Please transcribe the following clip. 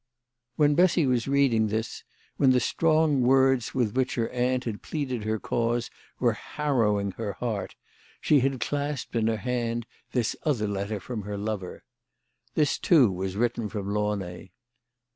When Bessy was reading this, when the strong words with which her aunt had pleaded her cause were harrowing her heart, she had clasped in her hand this THE LADY OF LATIN AY. 163 other letter from her lover. This too was written from Laimay.